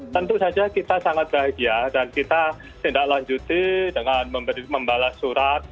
tentu saja kita sangat bahagia dan kita tindak lanjuti dengan membalas surat